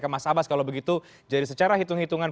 mas abbas kalau begitu jadi secara hitung hitungan